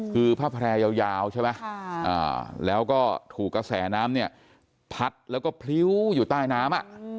คือผ้าแพร่ยาวใช่ไหมแล้วก็ถูกกระแสน้ำเนี่ยพัดแล้วก็พริ้วอยู่ใต้น้ำ